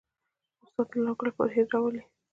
استاد د راتلونکي لپاره هیله راولي.